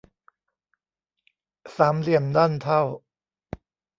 สามเหลี่ยมด้านเท่า